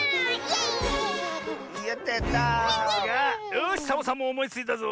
よしサボさんもおもいついたぞ！